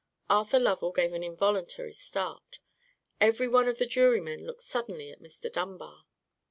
Arthur Lovell gave an involuntary start. Every one of the jurymen looked suddenly at Mr. Dunbar.